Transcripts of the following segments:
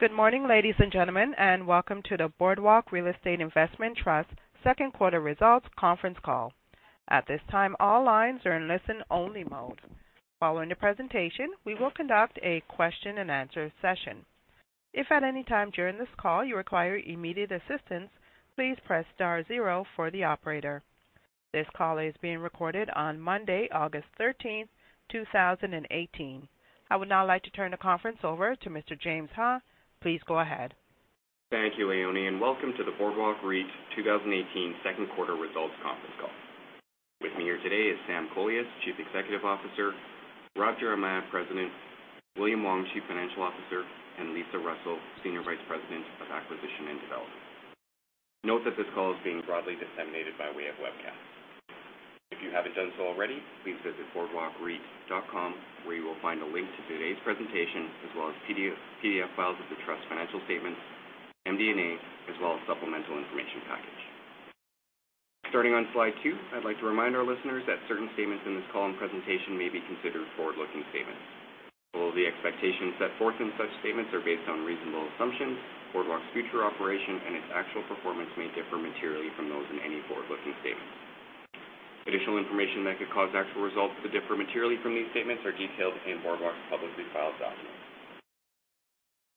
Good morning, ladies and gentlemen, and welcome to the Boardwalk Real Estate Investment Trust second quarter results conference call. At this time, all lines are in listen-only mode. Following the presentation, we will conduct a question and answer session. If at any time during this call you require immediate assistance, please press star zero for the operator. This call is being recorded on Monday, August 13, 2018. I would now like to turn the conference over to Mr. James Ha. Please go ahead. Thank you, Leonie, and welcome to the Boardwalk REIT 2018 second quarter results conference call. With me here today is Sam Kolias, Chief Executive Officer, Rob Geremia, President, William Wong, Chief Financial Officer, and Lisa Russell, Senior Vice President of Acquisition and Development. Note that this call is being broadly disseminated by way of webcast. If you haven't done so already, please visit boardwalkreit.com where you will find a link to today's presentation as well as PDF files of the Trust's financial statements, MD&A, as well as supplemental information package. Starting on slide two, I'd like to remind our listeners that certain statements in this call and presentation may be considered forward-looking statements. Although the expectations set forth in such statements are based on reasonable assumptions, Boardwalk's future operations and its actual performance may differ materially from those in any forward-looking statements. Additional information that could cause actual results to differ materially from these statements are detailed in Boardwalk's publicly filed documents.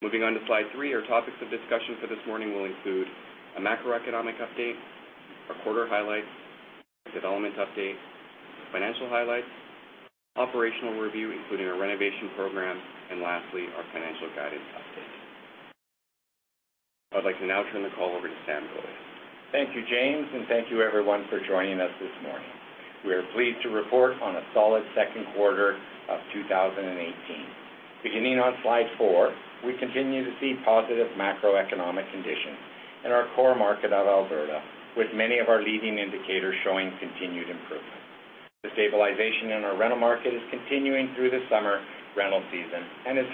Moving on to slide three, our topics of discussion for this morning will include a macroeconomic update, our quarter highlights, a development update, financial highlights, operational review, including our renovation program, and lastly, our financial guidance update. I'd like to now turn the call over to Sam Kolias. Thank you, James, and thank you, everyone, for joining us this morning. We are pleased to report on a solid second quarter of 2018. Beginning on slide four, we continue to see positive macroeconomic conditions in our core market of Alberta, with many of our leading indicators showing continued improvement. The stabilization in our rental market is continuing through the summer rental season, and as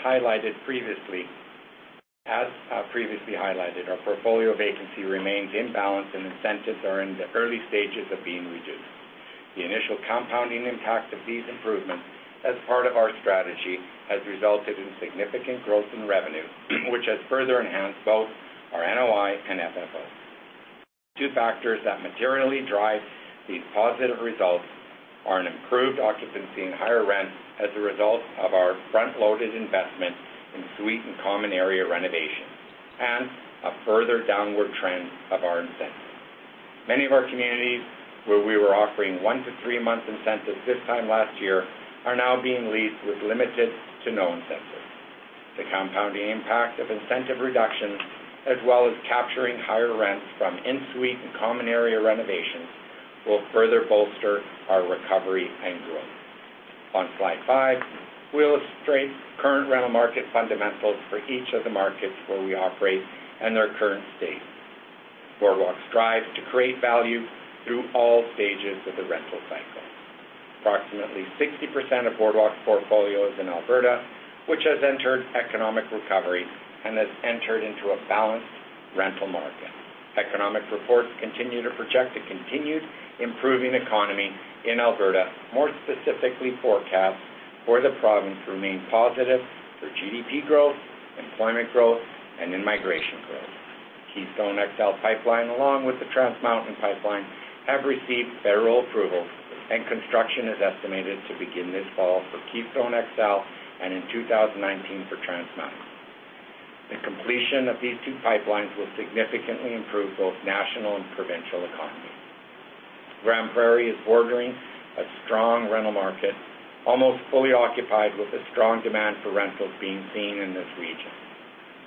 previously highlighted, our portfolio vacancy remains in balance, and incentives are in the early stages of being reduced. The initial compounding impact of these improvements as part of our strategy has resulted in significant growth in revenue, which has further enhanced both our NOI and FFO. Two factors that materially drive these positive results are an improved occupancy and higher rents as a result of our front-loaded investment in suite and common area renovations, and a further downward trend of our incentives. Many of our communities where we were offering one to three-month incentives this time last year are now being leased with limited to no incentives. The compounding impact of incentive reductions, as well as capturing higher rents from in-suite and common area renovations, will further bolster our recovery and growth. On slide five, we illustrate current rental market fundamentals for each of the markets where we operate and their current state. Boardwalk strives to create value through all stages of the rental cycle. Approximately 60% of Boardwalk's portfolio is in Alberta, which has entered economic recovery and has entered into a balanced rental market. Economic reports continue to project a continued improving economy in Alberta, more specifically forecasts for the province remain positive for GDP growth, employment growth, and in migration growth. Keystone XL Pipeline, along with the Trans Mountain Pipeline, have received federal approval, and construction is estimated to begin this fall for Keystone XL and in 2019 for Trans Mountain. The completion of these two pipelines will significantly improve both national and provincial economies. Grande Prairie is bordering a strong rental market, almost fully occupied with a strong demand for rentals being seen in this region.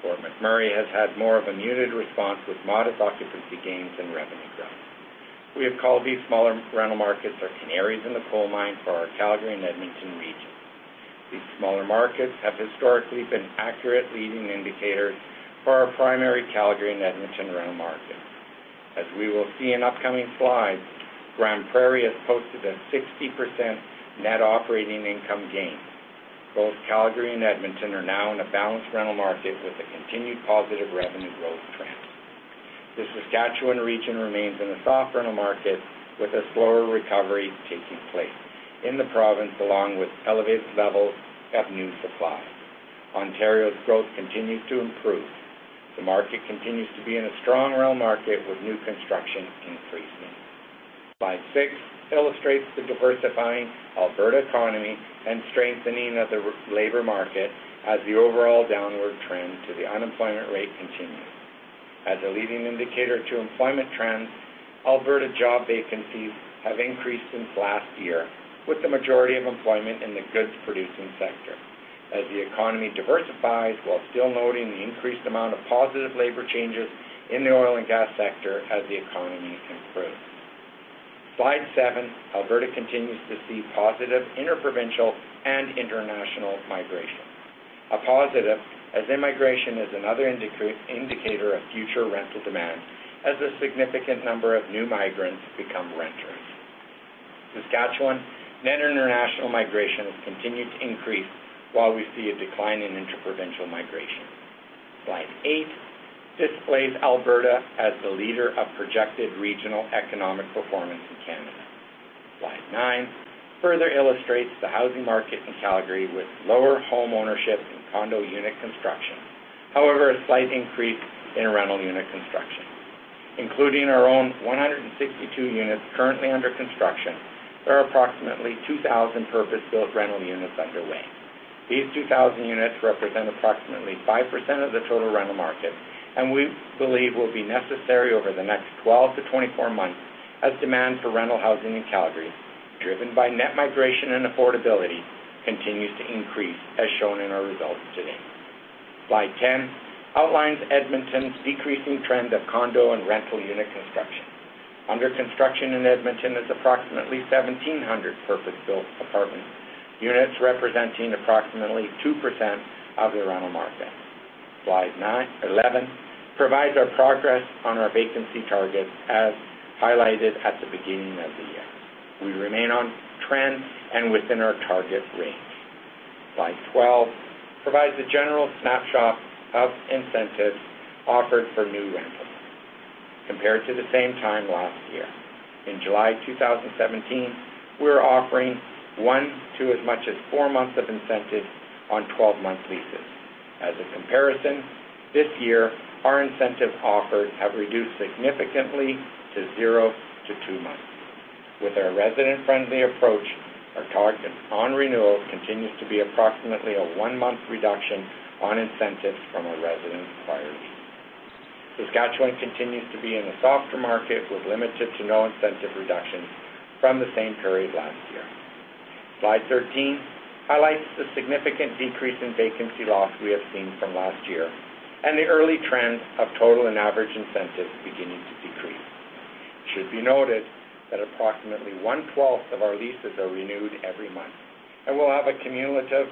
McMurray has had more of a muted response with modest occupancy gains and revenue growth. We have called these smaller rental markets our canaries in the coal mine for our Calgary and Edmonton region. These smaller markets have historically been accurate leading indicators for our primary Calgary and Edmonton rental markets. As we will see in upcoming slides, Grande Prairie has posted a 60% net operating income gain. Both Calgary and Edmonton are now in a balanced rental market with a continued positive revenue growth trend. The Saskatchewan region remains in a soft rental market with a slower recovery taking place in the province, along with elevated levels of new supply. Ontario's growth continues to improve. The market continues to be in a strong rental market with new construction increasing. Slide six illustrates the diversifying Alberta economy and strengthening of the labor market as the overall downward trend to the unemployment rate continues. As a leading indicator to employment trends, Alberta job vacancies have increased since last year, with the majority of employment in the goods-producing sector. As the economy diversifies, while still noting the increased amount of positive labor changes in the oil and gas sector as the economy improves. Slide seven, Alberta continues to see positive interprovincial and international migration. A positive as immigration is another indicator of future rental demand, as a significant number of new migrants become renters. Saskatchewan net international migration has continued to increase while we see a decline in interprovincial migration. Slide eight displays Alberta as the leader of projected regional economic performance in Canada. Slide nine further illustrates the housing market in Calgary with lower home ownership and condo unit construction. However, a slight increase in rental unit construction. Including our own 162 units currently under construction, there are approximately 2,000 purpose-built rental units underway. These 2,000 units represent approximately 5% of the total rental market, and we believe will be necessary over the next 12 to 24 months as demand for rental housing in Calgary, driven by net migration and affordability, continues to increase, as shown in our results today. Slide 10 outlines Edmonton's decreasing trend of condo and rental unit construction. Under construction in Edmonton is approximately 1,700 purpose-built apartment units, representing approximately 2% of the rental market. Slide 11 provides our progress on our vacancy targets, as highlighted at the beginning of the year. We remain on trend and within our target range. Slide 12 provides a general snapshot of incentives offered for new rentals compared to the same time last year. In July 2017, we were offering one to as much as four months of incentive on 12-month leases. As a comparison, this year, our incentive offered have reduced significantly to zero to two months. With our resident-friendly approach, our target on renewal continues to be approximately a one-month reduction on incentives from a resident's prior lease. Saskatchewan continues to be in a softer market with limited to no incentive reductions from the same period last year. Slide 13 highlights the significant decrease in vacancy loss we have seen from last year and the early trends of total and average incentives beginning to decrease. It should be noted that approximately one twelfth of our leases are renewed every month and will have a cumulative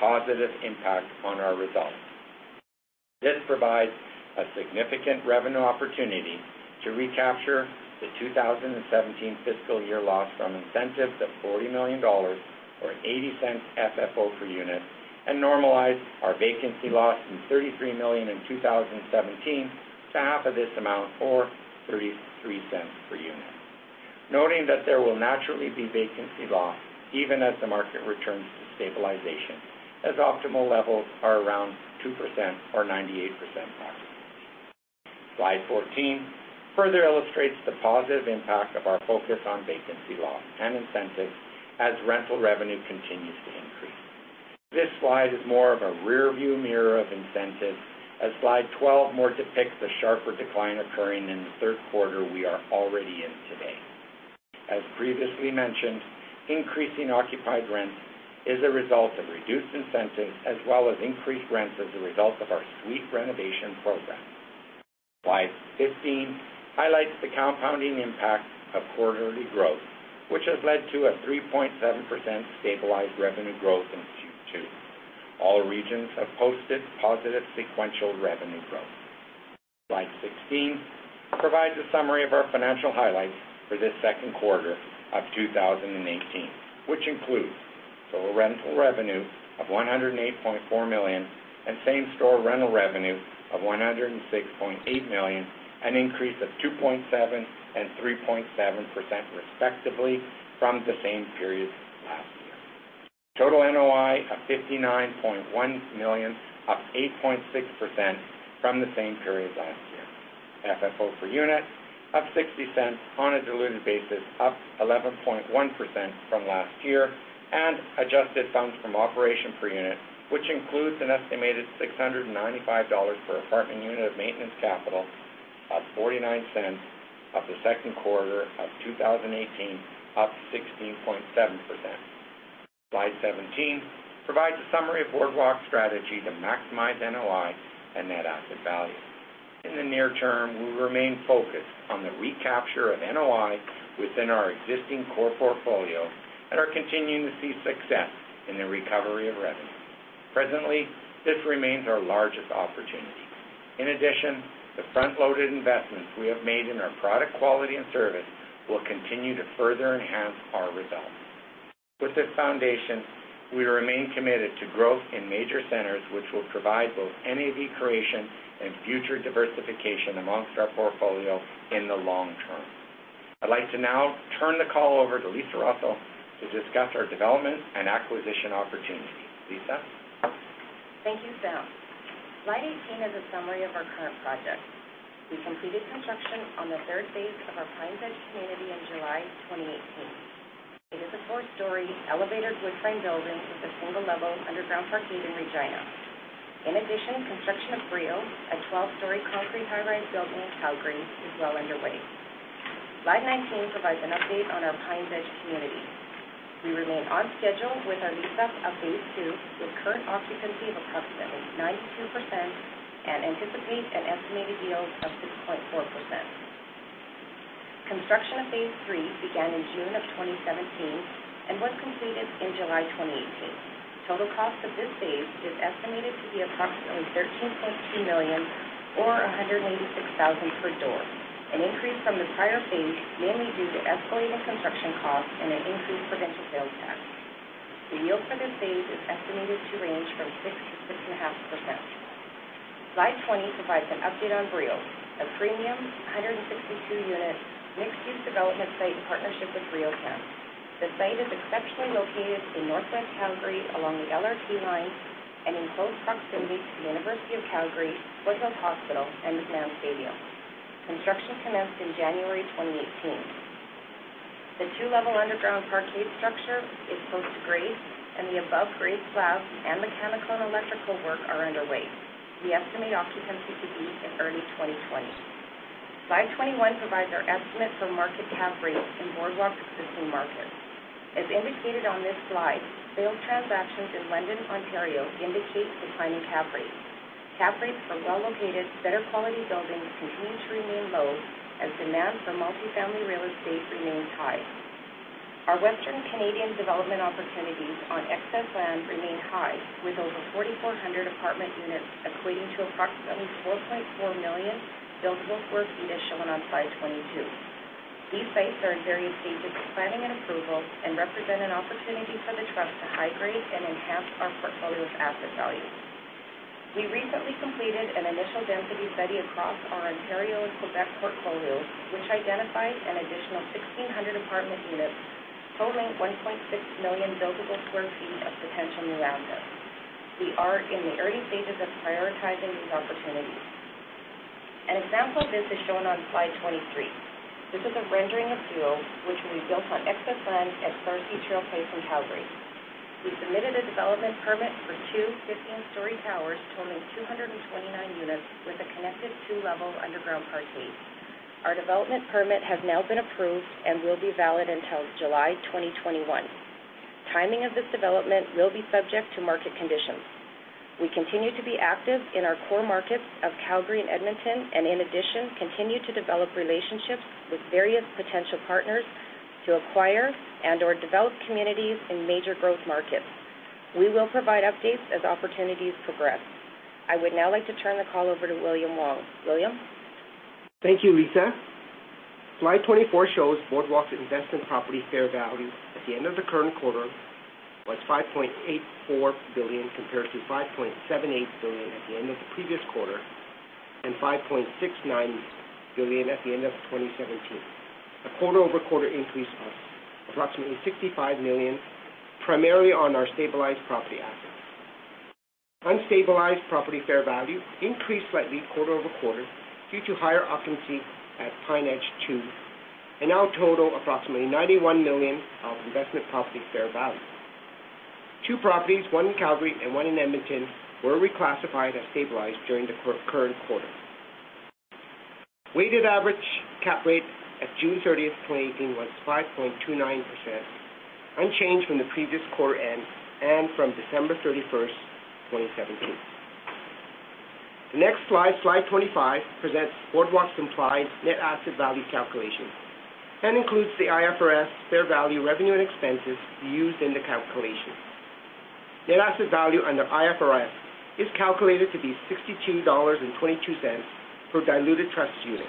positive impact on our results. This provides a significant revenue opportunity to recapture the 2017 fiscal year loss from incentives of 40 million dollars, or 0.80 FFO per unit, and normalize our vacancy loss from 33 million in 2017 to half of this amount, or 0.33 per unit. Noting that there will naturally be vacancy loss even as the market returns to stabilization, as optimal levels are around 2% or 98% occupancy. Slide 14 further illustrates the positive impact of our focus on vacancy loss and incentives as rental revenue continues to increase. This slide is more of a rearview mirror of incentives, as Slide 12 more depicts the sharper decline occurring in the third quarter we are already in today. As previously mentioned, increasing occupied rents is a result of reduced incentives as well as increased rents as a result of our suite renovation program. Slide 15 highlights the compounding impact of quarterly growth, which has led to a 3.7% stabilized revenue growth in Q2. All regions have posted positive sequential revenue growth. Slide 16 provides a summary of our financial highlights for this second quarter of 2018, which includes total rental revenue of 108.4 million and same-store rental revenue of 106.8 million, an increase of 2.7% and 3.7%, respectively, from the same period last year. Total NOI of 59.1 million, up 8.6% from the same period last year. FFO per unit of 0.60 on a diluted basis, up 11.1% from last year, and adjusted funds from operation per unit, which includes an estimated 695 dollars per apartment unit of maintenance capital, up 0.49 of the second quarter of 2018, up 16.7%. Slide 17 provides a summary of Boardwalk's strategy to maximize NOI and net asset value. In the near term, we remain focused on the recapture of NOI within our existing core portfolio and are continuing to see success in the recovery of revenue. Presently, this remains our largest opportunity. In addition, the front-loaded investments we have made in our product quality and service will continue to further enhance our results. With this foundation, we remain committed to growth in major centers, which will provide both NAV creation and future diversification amongst our portfolio in the long term. I'd like to now turn the call over to Lisa Russell to discuss our development and acquisition opportunities. Lisa? Thank you, Sam. Slide 18 is a summary of our current projects. We completed construction on the third phase of our Pines Edge community in July 2018. It is a four-story elevator wood frame building with a single-level underground parkade in Regina. In addition, construction of Brio, a 12-story concrete high-rise building in Calgary, is well underway. Slide 19 provides an update on our Pines Edge community. We remain on schedule with our lease-up of phase 2, with current occupancy of approximately 92%, and anticipate an estimated yield of 6.4%. Construction of phase 3 began in June of 2017 and was completed in July 2018. Total cost of this phase is estimated to be approximately 13.2 million, or 186,000 per door, an increase from the prior phase, mainly due to escalating construction costs. The yield for this phase is estimated to range from 6%-6.5%. Slide 20 provides an update on Brio, a premium, 162-unit mixed-use development site in partnership with RioCan. The site is exceptionally located in Northwest Calgary along the LRT line and in close proximity to the University of Calgary, Foothills Medical Centre, and McMahon Stadium. Construction commenced in January 2018. The two-level underground parkade structure is close to grade, and the above-grade slab and mechanical and electrical work are underway. We estimate occupancy to be in early 2020. Slide 21 provides our estimate for market cap rates in Boardwalk's existing markets. As indicated on this slide, sales transactions in London, Ontario, indicate declining cap rates. Cap rates for well-located, better-quality buildings continue to remain low as demand for multi-family real estate remains high. Our Western Canadian development opportunities on excess land remain high, with over 4,400 apartment units equating to approximately 4.4 million billable square feet, as shown on Slide 22. These sites are in various stages of planning and approval and represent an opportunity for the trust to high-grade and enhance our portfolio of asset value. We recently completed an initial density study across our Ontario and Quebec portfolio, which identified an additional 1,600 apartment units totaling 1.6 million billable square feet of potential new rentals. We are in the early stages of prioritizing these opportunities. An example of this is shown on Slide 23. This is a rendering of Duo, which will be built on excess land at Sarcee Trail Place in Calgary. We submitted a development permit for two 15-story towers totaling 229 units with a connected two-level underground parkade. Our development permit has now been approved and will be valid until July 2021. Timing of this development will be subject to market conditions. We continue to be active in our core markets of Calgary and Edmonton and, in addition, continue to develop relationships with various potential partners to acquire and/or develop communities in major growth markets. We will provide updates as opportunities progress. I would now like to turn the call over to William Wong. William? Thank you, Lisa. Slide 24 shows Boardwalk's investment property fair value at the end of the current quarter was 5.84 billion, compared to 5.78 billion at the end of the previous quarter and 5.69 billion at the end of 2017, a quarter-over-quarter increase of approximately 65 million, primarily on our stabilized property assets. Unstabilized property fair value increased slightly quarter-over-quarter due to higher occupancy at Pines Edge Two and now total approximately 91 million of investment property fair value. Two properties, one in Calgary and one in Edmonton, were reclassified as stabilized during the current quarter. Weighted average cap rate at June 30th, 2018, was 5.29%, unchanged from the previous quarter end and from December 31st, 2017. The next slide, Slide 25, presents Boardwalk's implied NAV calculation. That includes the IFRS fair value revenue and expenses used in the calculation. NAV under IFRS is calculated to be 62.22 dollars per diluted trust unit,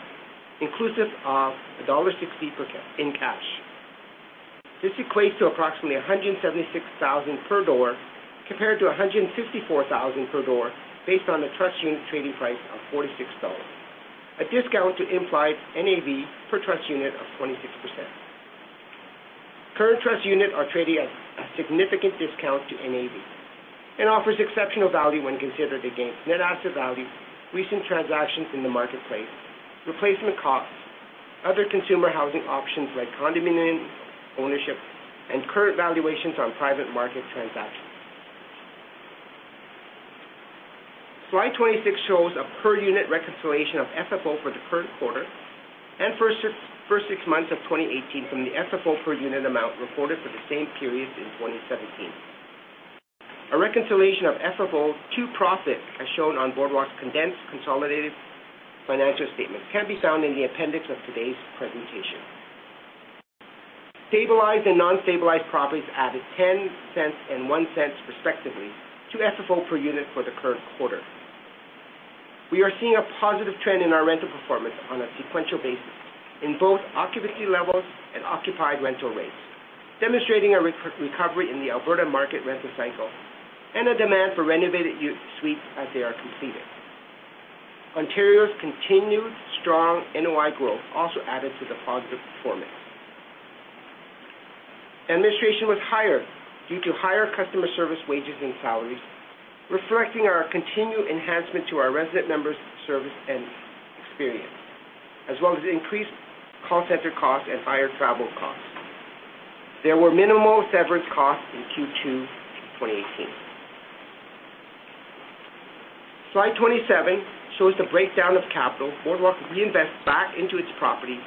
inclusive of dollar 1.60 in cash. This equates to approximately 176,000 per door, compared to 164,000 per door based on the trust unit trading price of 46 dollars, a discount to implied NAV per trust unit of 26%. Current trust unit are trading at a significant discount to NAV and offers exceptional value when considered against NAV, recent transactions in the marketplace, replacement costs, other consumer housing options like condominium ownership, and current valuations on private market transactions. Slide 26 shows a per-unit reconciliation of FFO for the current quarter and first six months of 2018 from the FFO per unit amount reported for the same periods in 2017. A reconciliation of FFO to profit, as shown on Boardwalk's condensed consolidated financial statement, can be found in the appendix of today's presentation. Stabilized and non-stabilized properties added 0.10 and 0.01 respectively to FFO per unit for the current quarter. We are seeing a positive trend in our rental performance on a sequential basis in both occupancy levels and occupied rental rates, demonstrating a recovery in the Alberta market rental cycle and a demand for renovated suites as they are completed. Ontario's continued strong NOI growth also added to the positive performance. Administration was higher due to higher customer service wages and salaries, reflecting our continued enhancement to our resident members' service and experience, as well as increased call center costs and higher travel costs. There were minimal severance costs in Q2 2018. Slide 27 shows the breakdown of capital Boardwalk reinvests back into its property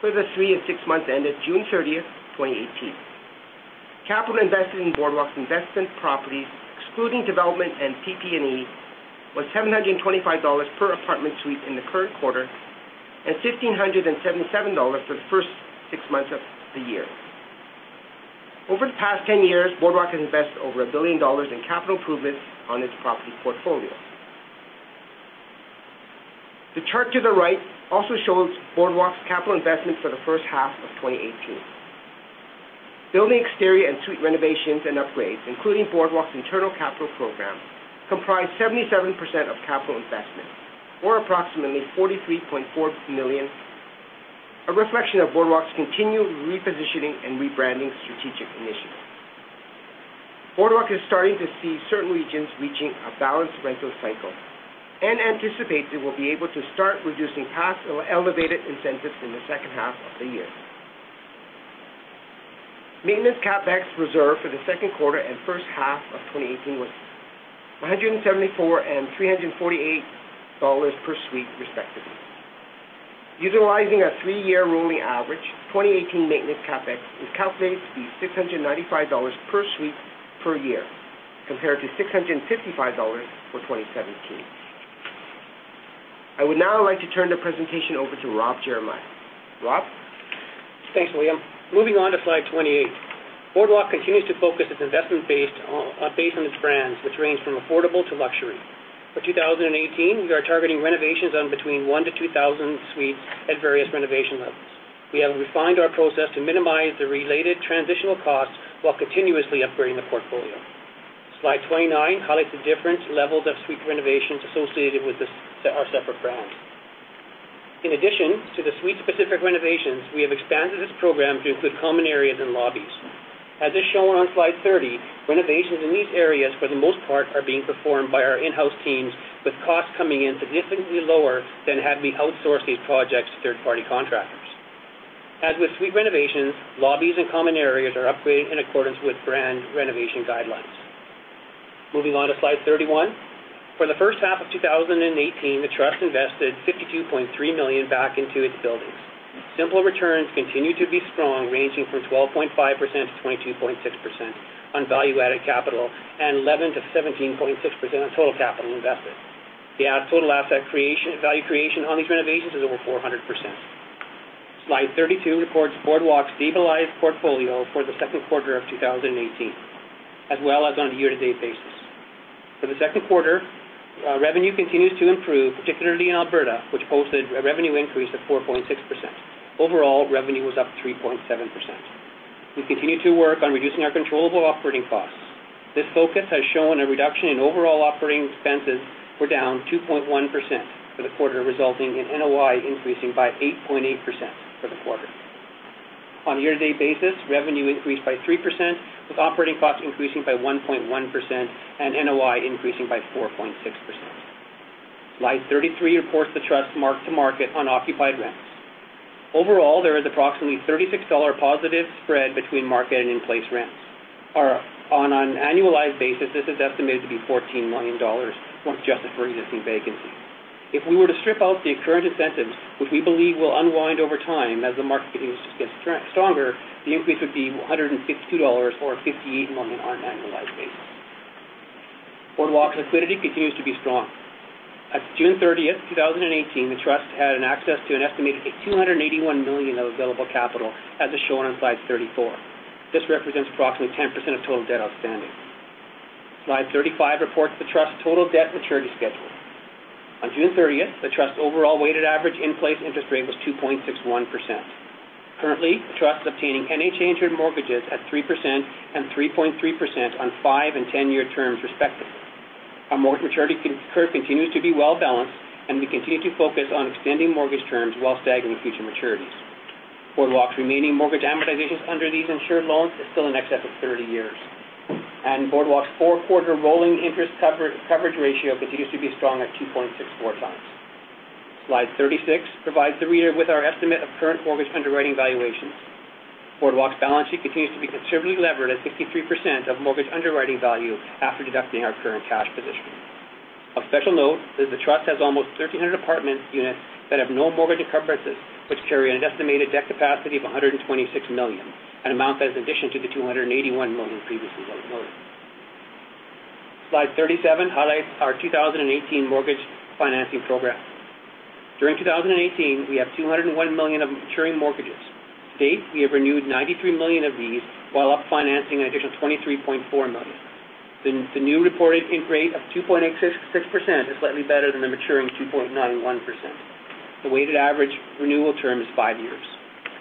for the three and six months ended June 30th, 2018. Capital invested in Boardwalk's investment properties, excluding development and PP&E, was 725 dollars per apartment suite in the current quarter and 1,577 dollars for the first six months of the year. Over the past 10 years, Boardwalk has invested over 1 billion dollars in capital improvements on its property portfolio. The chart to the right also shows Boardwalk's capital investments for the first half of 2018. Building exterior and suite renovations and upgrades, including Boardwalk's internal capital program, comprise 77% of capital investment, or approximately 43.4 million, a reflection of Boardwalk's continued repositioning and rebranding strategic initiatives. Boardwalk is starting to see certain regions reaching a balanced rental cycle and anticipates it will be able to start reducing past elevated incentives in the second half of the year. Maintenance CapEx reserved for the second quarter and first half of 2018 was 174 and 348 dollars per suite respectively. Utilizing a three-year rolling average, 2018 maintenance CapEx is calculated to be 695 dollars per suite per year, compared to 655 dollars for 2017. I would now like to turn the presentation over to Rob Geremia. Rob? Thanks, William. Moving on to slide 28. Boardwalk continues to focus its investment based on its brands, which range from affordable to luxury. For 2018, we are targeting renovations on between 1,000 to 2,000 suites at various renovation levels. We have refined our process to minimize the related transitional costs while continuously upgrading the portfolio. Slide 29 highlights the different levels of suite renovations associated with our separate brands. In addition to the suite-specific renovations, we have expanded this program to include common areas and lobbies. As is shown on slide 30, renovations in these areas, for the most part, are being performed by our in-house teams, with costs coming in significantly lower than had we outsourced these projects to third-party contractors. As with suite renovations, lobbies and common areas are upgraded in accordance with brand renovation guidelines. Moving on to slide 31. For the first half of 2018, the Trust invested 52.3 million back into its buildings. Simple returns continue to be strong, ranging from 12.5%-22.6% on value-added capital and 11%-17.6% on total capital invested. The total asset value creation on these renovations is over 400%. Slide 32 reports Boardwalk's stabilized portfolio for the second quarter of 2018, as well as on a year-to-date basis. For the second quarter, revenue continues to improve, particularly in Alberta, which posted a revenue increase of 4.6%. Overall, revenue was up 3.7%. We continue to work on reducing our controllable operating costs. This focus has shown a reduction in overall operating expenses were down 2.1% for the quarter, resulting in NOI increasing by 8.8% for the quarter. On a year-to-date basis, revenue increased by 3%, with operating costs increasing by 1.1% and NOI increasing by 4.6%. Slide 33 reports the Trust's mark-to-market unoccupied rents. Overall, there is approximately 36 dollar positive spread between market and in-place rents. On an annualized basis, this is estimated to be 14 million dollars when adjusted for existing vacancies. If we were to strip out the current incentives, which we believe will unwind over time as the market continues to get stronger, the increase would be 152 dollars or 58 million on an annualized basis. Boardwalk's liquidity continues to be strong. As of June 30th, 2018, the Trust had an access to an estimated 281 million of available capital, as is shown on slide 34. This represents approximately 10% of total debt outstanding. Slide 35 reports the Trust's total debt maturity schedule. On June 30th, the Trust's overall weighted average in-place interest rate was 2.61%. Currently, the Trust is obtaining NHA-insured mortgages at 3% and 3.3% on five and 10-year terms respectively. Our maturity curve continues to be well-balanced, and we continue to focus on extending mortgage terms while staggering future maturities. Boardwalk's remaining mortgage amortizations under these insured loans is still in excess of 30 years, Boardwalk's four-quarter rolling interest coverage ratio continues to be strong at 2.64 times. Slide 36 provides the reader with our estimate of current mortgage underwriting valuations. Boardwalk's balance sheet continues to be conservatively levered at 63% of mortgage underwriting value after deducting our current cash position. Of special note that the Trust has almost 1,300 apartment units that have no mortgage encumbrances, which carry an estimated debt capacity of 126 million, an amount that is addition to the 281 million previously noted. Slide 37 highlights our 2018 mortgage financing program. During 2018, we have 201 million of maturing mortgages. To date, we have renewed 93 million of these, while up financing an additional 23.4 million. The new reported interest rate of 2.86% is slightly better than the maturing 2.91%. The weighted average renewal term is five years.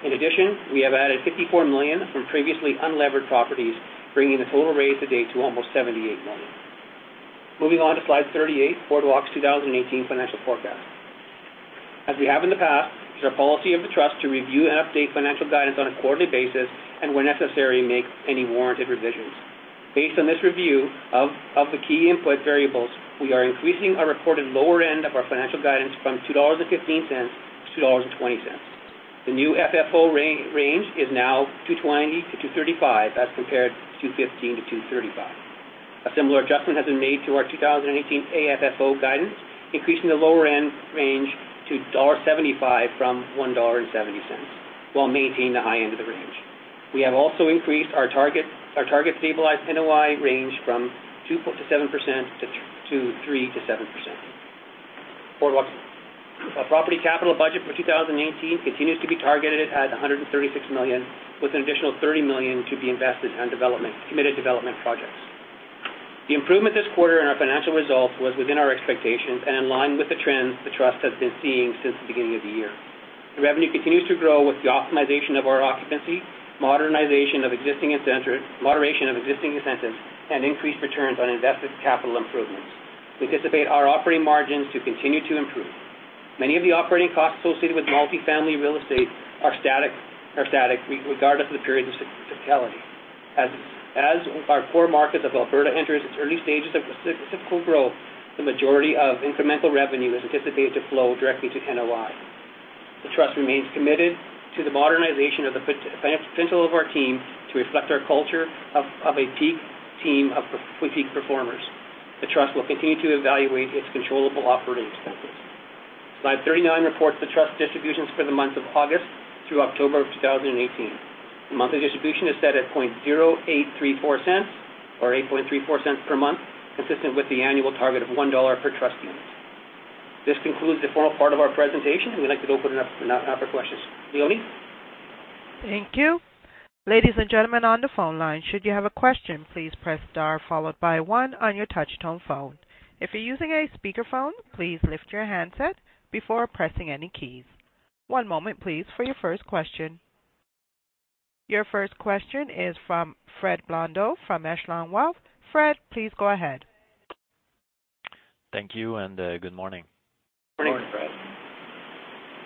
In addition, we have added 54 million from previously unlevered properties, bringing the total raise to date to almost 78 million. Moving on to slide 38, Boardwalk's 2018 financial forecast. As we have in the past, it's our policy of the Trust to review and update financial guidance on a quarterly basis and where necessary, make any warranted revisions. Based on this review of the key input variables, we are increasing our reported lower end of our financial guidance from 2.15 dollars to 2.20 dollars. The new FFO range is now 2.20 to 2.35 as compared to 2.15 to 2.35. A similar adjustment has been made to our 2018 AFFO guidance, increasing the lower-end range to dollar 1.75 from 1.70 dollar while maintaining the high end of the range. We have also increased our target stabilized NOI range from 2% to 7%, to 3% to 7%. Boardwalk's property capital budget for 2018 continues to be targeted at CAD 136 million, with an additional CAD 30 million to be invested on committed development projects. The improvement this quarter in our financial results was within our expectations and in line with the trends the trust has been seeing since the beginning of the year. The revenue continues to grow with the optimization of our occupancy, moderation of existing incentives, and increased returns on invested capital improvements. We anticipate our operating margins to continue to improve. Many of the operating costs associated with multi-family real estate are static regardless of the period of cyclicality. As our core market of Alberta enters its early stages of cyclical growth, the majority of incremental revenue is anticipated to flow directly to NOI. The trust remains committed to the modernization of the potential of our team to reflect our culture of a peak team of peak performers. The trust will continue to evaluate its controllable operating expenses. Slide 39 reports the trust distributions for the month of August through October of 2018. The monthly distribution is set at 0.0834 cents or 0.0834 per month, consistent with the annual target of 1 dollar per trust unit. This concludes the formal part of our presentation. We'd like to open it up now for questions. Leonie? Thank you. Ladies and gentlemen on the phone line, should you have a question, please press star followed by one on your touch-tone phone. If you're using a speakerphone, please lift your handset before pressing any keys. One moment, please, for your first question. Your first question is from Fred Blondeau from Echelon Wealth. Fred, please go ahead. Thank you. Good morning. Morning. Good morning.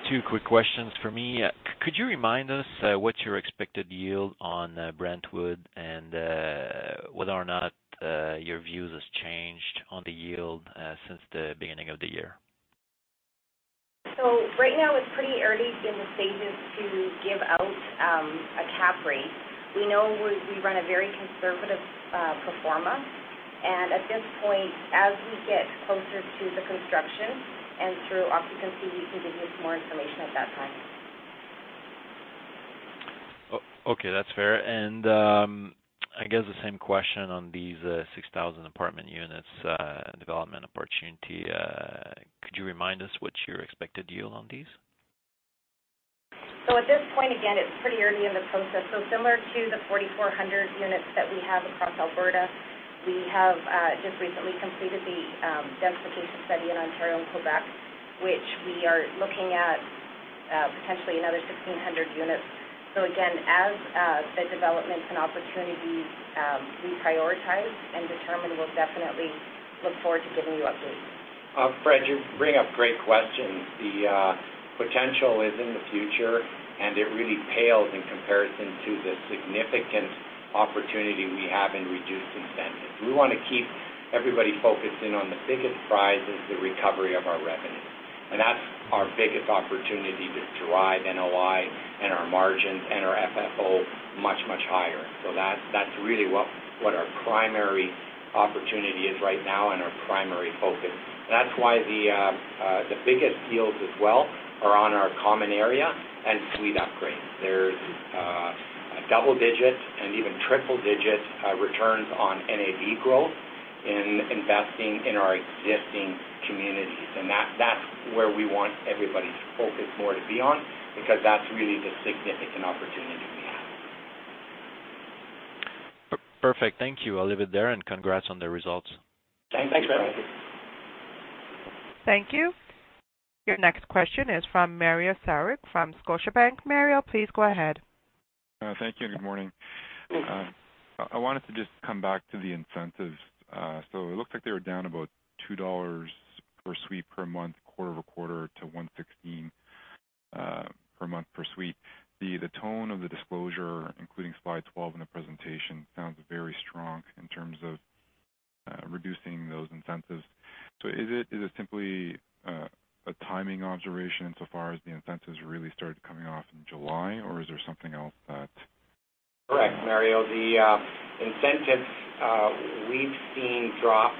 Two quick questions from me. Could you remind us what your expected yield on Brio, and whether or not your view has changed on the yield since the beginning of the year? Right now, it's pretty early in the stages to give out a cap rate. We know we run a very conservative pro forma, and at this point, as we get closer to the construction and through occupancy, we can give you more information at that time. Okay, that's fair. I guess the same question on these 6,000 apartment units development opportunity. Could you remind us what your expected yield on these? At this point, again, it's pretty early in the process. Similar to the 4,400 units that we have across Alberta, we have just recently completed the densification study in Ontario and Quebec, which we are looking at potentially another 1,600 units. Again, as the developments and opportunities reprioritize and determine, we'll definitely look forward to giving you updates. Fred, you bring up great questions. The potential is in the future, it really pales in comparison to the significant opportunity we have in reduced incentives. We want to keep everybody focusing on the biggest prize is the recovery of our revenue. That's our biggest opportunity to drive NOI and our margins and our FFO much, much higher. That's really what our primary opportunity is right now and our primary focus. That's why the biggest deals as well are on our common area and suite upgrades. There's double digits and even triple-digit returns on NAV growth in investing in our existing communities. That's where we want everybody's focus more to be on, because that's really the significant opportunity we have. Perfect. Thank you. I'll leave it there, congrats on the results. Thanks, Fred. Thank you. Thank you. Your next question is from Mario Saric from Scotiabank. Mario, please go ahead. Thank you. Good morning. Good morning. I wanted to just come back to the incentives. It looks like they were down about 2 dollars per suite per month quarter-over-quarter to 1.16 per month per suite. The tone of the disclosure, including slide 12 in the presentation, sounds very strong in terms of reducing those incentives. Is it simply a timing observation insofar as the incentives really started coming off in July, or is there something else? Correct, Mario. The incentives we've seen drop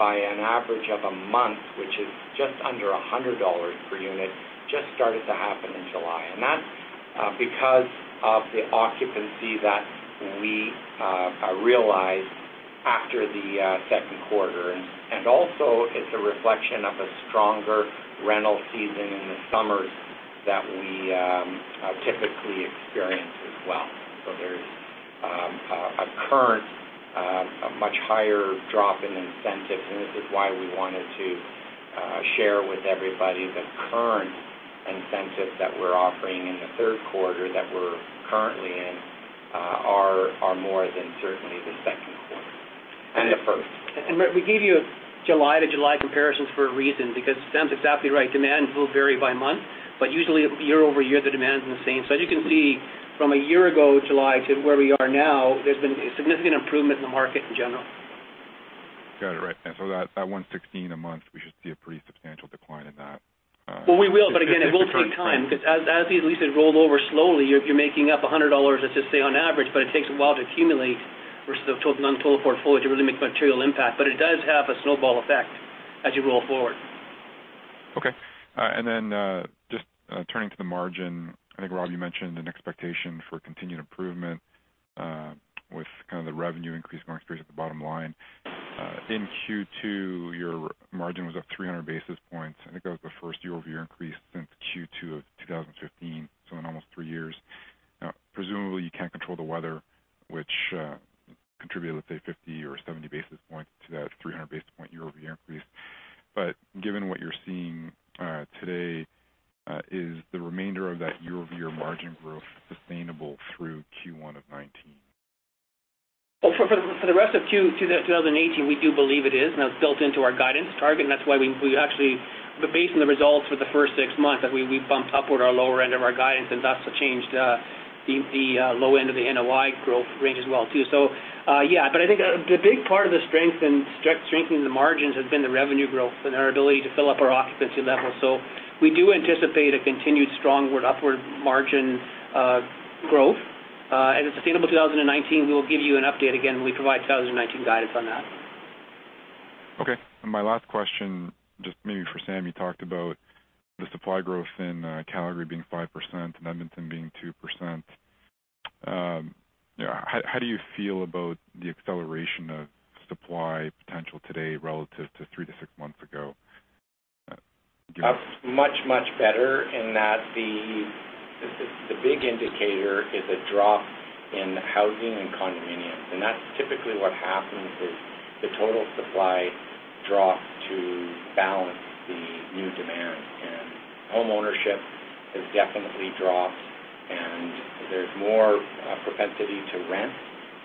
by an average of a month, which is just under 100 dollars per unit, just started to happen in July. That's because of the occupancy that we realized after the second quarter. Also, it's a reflection of a stronger rental season in the summers that we typically experience as well. There's a current much higher drop in incentives, and this is why we wanted to share with everybody the current incentives that we're offering in the third quarter that we're currently in are more than certainly the second quarter and the first. Mario, we gave you July to July comparisons for a reason, because Sam's exactly right. Demand will vary by month, but usually year-over-year, the demand's the same. As you can see from a year ago July to where we are now, there's been a significant improvement in the market in general. Got it. Right. That 1.16 a month, we should see a pretty substantial decline in that. Well, we will. Again, it will take time because as these leases roll over slowly, you're making up 100 dollars, let's just say on average, but it takes a while to accumulate versus the total portfolio to really make a material impact. It does have a snowball effect as you roll forward. Okay. Just turning to the margin, I think, Rob, you mentioned an expectation for continued improvement with kind of the revenue increase going straight to the bottom line. In Q2, your margin was up 300 basis points. I think that was the first year-over-year increase since Q2 of 2015, so in almost three years. Presumably you can't control the weather, which contributed, let's say 50 or 70 basis points to that 300 basis point year-over-year increase. Given what you're seeing today, is the remainder of that year-over-year margin growth sustainable through Q1 of 2019? Well, for the rest of 2018, we do believe it is. That's built into our guidance target, and that's why we actually. Based on the results for the first six months, that we bumped upward our lower end of our guidance, and that's changed the low end of the NOI growth range as well, too. Yeah. I think the big part of the strength in the margins has been the revenue growth and our ability to fill up our occupancy levels. We do anticipate a continued strong upward margin growth. It's sustainable 2019. We'll give you an update again when we provide 2019 guidance on that. Okay. My last question, just maybe for Sam, you talked about the supply growth in Calgary being 5% and Edmonton being 2%. How do you feel about the acceleration of supply potential today relative to three to six months ago? Much, much better in that the big indicator is a drop in housing and condominiums. That's typically what happens is the total supply drops to balance the new demand. Homeownership has definitely dropped, and there's more propensity to rent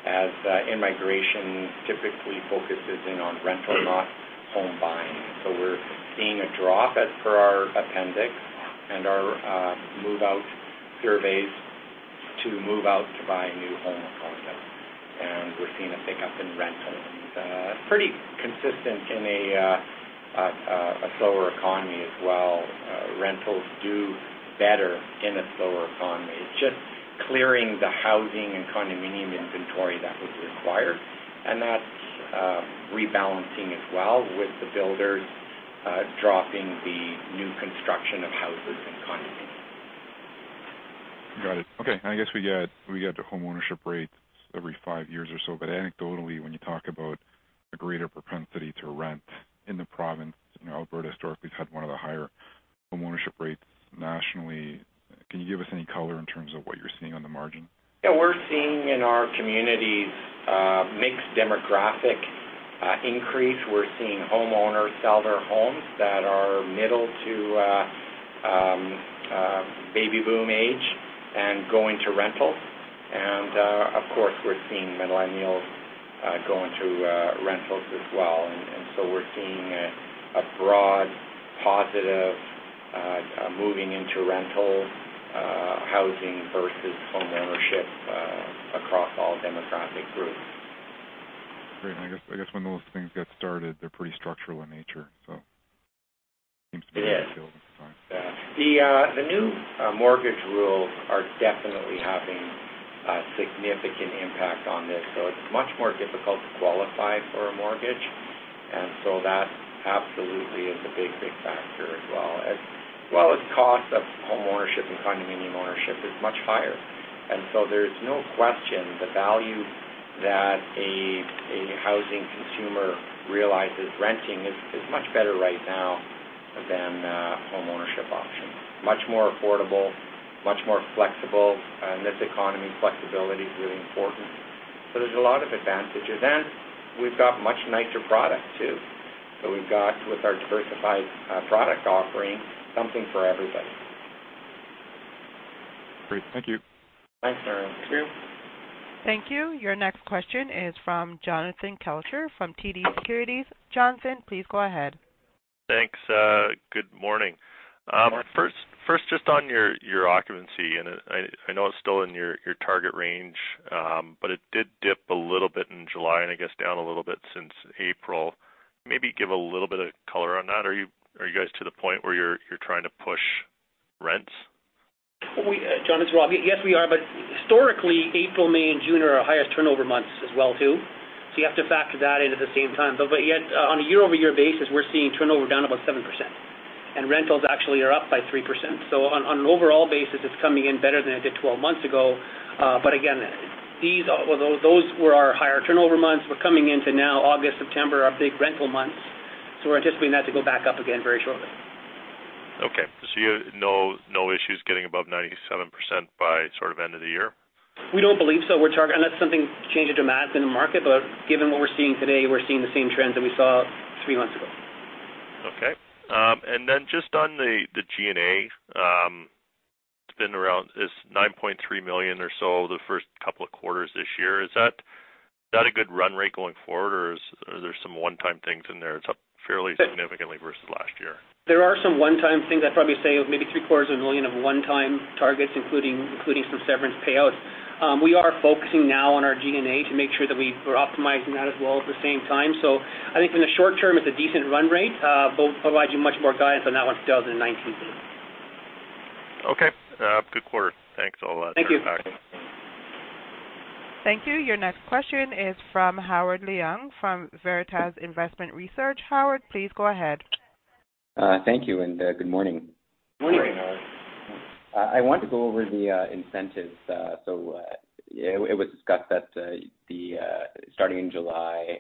as immigration typically focuses in on rental, not home buying. We're seeing a drop as per our appendix and our move-out surveys to move out to buy a new home or condo. We're seeing a pickup in rentals. Pretty consistent in a slower economy as well. Rentals do better in a slower economy. It's just clearing the housing and condominium inventory that was required. That's rebalancing as well with the builders dropping the new construction of houses and condominiums. Got it. Okay. I guess we get the homeownership rates every five years or so. Anecdotally, when you talk about a greater propensity to rent in the province, Alberta historically has had one of the higher homeownership rates nationally. Can you give us any color in terms of what you're seeing on the margin? Yeah, we're seeing in our communities a mixed demographic increase. We're seeing homeowners sell their homes that are middle to baby boom age and going to rentals. Of course, we're seeing millennials going to rentals as well. We're seeing a broad positive moving into rental housing versus homeownership across all demographic groups. Great. I guess when those things get started, they're pretty structural in nature. Seems to be. It is. -the field at the time. Yeah. It's much more difficult to qualify for a mortgage, that absolutely is a big, big factor as well. As well as cost of homeownership and condominium ownership is much higher. There's no question the value that a housing consumer realizes renting is much better right now than homeownership options, much more affordable, much more flexible. In this economy, flexibility is really important. There's a lot of advantages. We've got much nicer product, too. We've got with our diversified product offering, something for everybody. Great. Thank you. Thanks. Thank you. Thank you. Your next question is from Jonathan Kelcher from TD Securities. Jonathan, please go ahead. Thanks. Good morning. Morning. First, just on your occupancy, and I know it's still in your target range, but it did dip a little bit in July, and I guess down a little bit since April. Maybe give a little bit of color on that. Are you guys to the point where you're trying to push rents? Jonathan, yes, we are. Historically, April, May, and June are our highest turnover months as well, too. You have to factor that in at the same time. Yet, on a year-over-year basis, we're seeing turnover down about 7%. Rentals actually are up by 3%. On an overall basis, it's coming in better than it did 12 months ago. Again, those were our higher turnover months. We're coming into now August, September, our big rental months. We're anticipating that to go back up again very shortly. Okay. No issues getting above 97% by sort of end of the year? We don't believe so. Unless something changes dramatically in the market, but given what we're seeing today, we're seeing the same trends that we saw three months ago. Okay. Just on the G&A, it's been around 9.3 million or so the first couple of quarters this year. Is that a good run rate going forward, or are there some one-time things in there? It's up fairly significantly versus last year. There are some one-time things. I'd probably say maybe 3.25 million of one-time targets, including some severance payouts. We are focusing now on our G&A to make sure that we're optimizing that as well at the same time. I think in the short term, it's a decent run rate, but we'll provide you much more guidance on that once 2019 begins. Okay. Good quarter. Thanks a lot. Thank you. Thank you. Your next question is from Howard Leung from Veritas Investment Research. Howard, please go ahead. Thank you. Good morning. Morning, Howard. I want to go over the incentives. It was discussed that starting in July,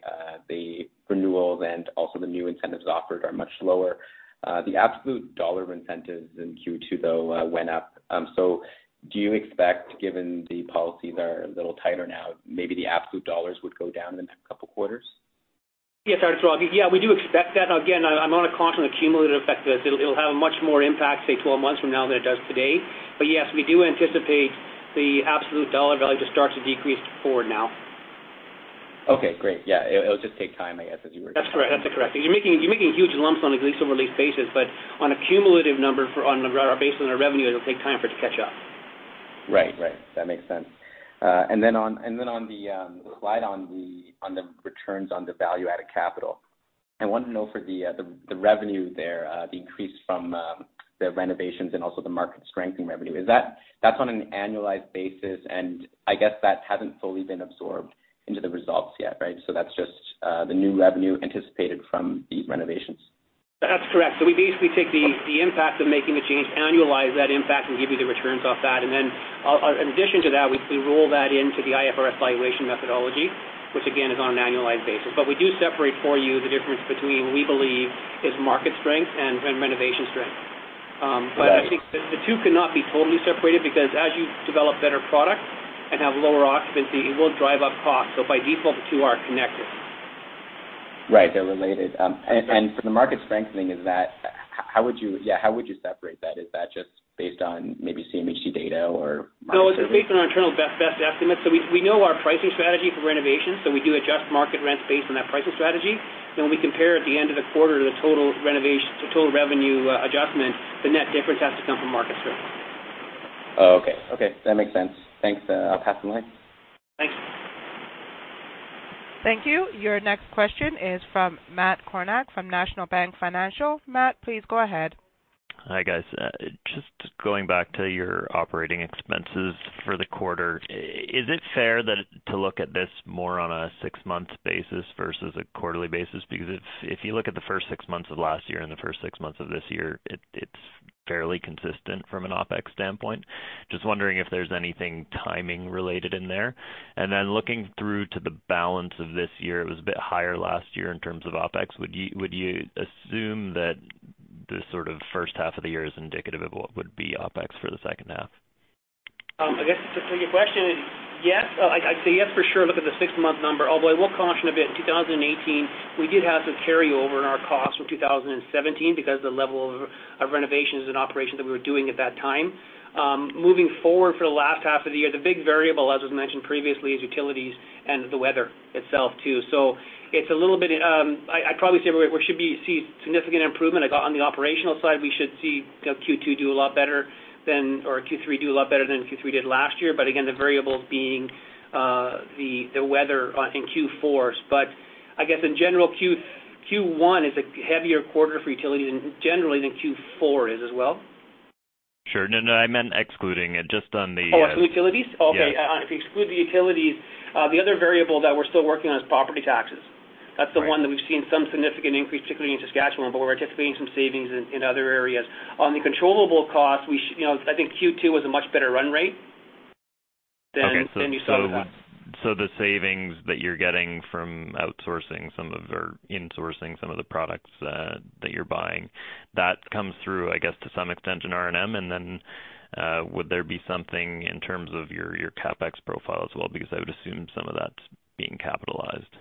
the renewals and also the new incentives offered are much lower. The absolute CAD of incentives in Q2, though, went up. Do you expect, given the policies are a little tighter now, maybe the absolute CAD would go down in the next couple quarters? Yes. Yeah, we do expect that. Again, I'm on a constant cumulative effect of this. It'll have much more impact, say, 12 months from now than it does today. Yes, we do anticipate the absolute CAD value to start to decrease forward now. Okay, great. Yeah. It'll just take time, I guess, as you were. That's correct. You're making huge lumps on a lease-over-lease basis, but on a cumulative number based on our revenue, it'll take time for it to catch up. Right. That makes sense. On the slide on the returns on the value-added capital, I wanted to know for the revenue there, the increase from the renovations and also the market strengthening revenue, that's on an annualized basis, and I guess that hasn't fully been absorbed into the results yet, right? That's just the new revenue anticipated from the renovations. That's correct. We basically take the impact of making the change, annualize that impact, and give you the returns off that. In addition to that, we roll that into the IFRS valuation methodology, which again, is on an annualized basis. We do separate for you the difference between we believe is market strength and renovation strength. Got it. I think the two cannot be totally separated because as you develop better product and have lower occupancy, it will drive up cost. By default, the two are connected. Right, they're related. That's right. For the market strengthening, how would you separate that? Is that just based on maybe CMHC data or market surveys? No, it's based on our internal best estimates. We know our pricing strategy for renovations, so we do adjust market rents based on that pricing strategy. We compare at the end of the quarter to the total revenue adjustment. The net difference has to come from market surveys. Okay. That makes sense. Thanks. I'll pass the line. Thanks. Thank you. Your next question is from Matt Kornack from National Bank Financial. Matt, please go ahead. Hi, guys. Just going back to your operating expenses for the quarter, is it fair to look at this more on a 6-month basis versus a quarterly basis? If you look at the first 6 months of last year and the first 6 months of this year, it's fairly consistent from an OpEx standpoint. Just wondering if there's anything timing related in there. Looking through to the balance of this year, it was a bit higher last year in terms of OpEx. Would you assume that the sort of first half of the year is indicative of what would be OpEx for the second half? I guess to your question is yes. I'd say yes for sure, look at the 6-month number, although I will caution a bit. In 2018, we did have some carryover in our costs from 2017 because the level of renovations and operations that we were doing at that time. Moving forward for the last half of the year, the big variable, as was mentioned previously, is utilities and the weather itself, too. I'd probably say we should see significant improvement. On the operational side, we should see Q2 do a lot better than or Q3 do a lot better than Q3 did last year. Again, the variables being the weather in Q4. I guess in general, Q1 is a heavier quarter for utilities generally than Q4 is as well. Sure. No, I meant excluding it just on the. Oh, as utilities? Yeah. Okay. If you exclude the utilities, the other variable that we're still working on is property taxes. Right. That's the one that we've seen some significant increase, particularly in Saskatchewan, but we're anticipating some savings in other areas. On the controllable costs, I think Q2 was a much better run rate than you saw with that. Okay. The savings that you're getting from outsourcing some of, or insourcing some of the products that you're buying, that comes through, I guess, to some extent in R&M. Would there be something in terms of your CapEx profile as well? Because I would assume some of that's being capitalized.